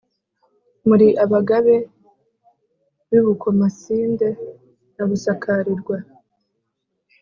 muri abagabe b’i bukomasinde na busakarirwa: